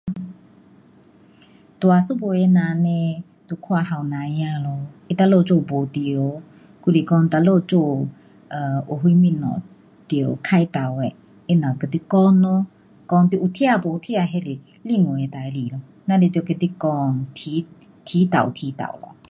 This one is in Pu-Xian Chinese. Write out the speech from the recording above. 大一辈的人呢就看年轻儿咯，他那里做没对，还是讲那里做 um 有什东西得开导的，他只跟你讲咯，讲你有听没听那是另外的事情咯。只是得跟你讲，提，提导提导咯。